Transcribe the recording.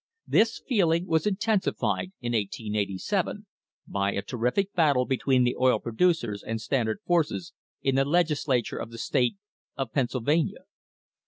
This feeling was intensified in 1887 by a terrific battle between the oil producers and Standard forces in the Legis lature of the state of Pennsylvania.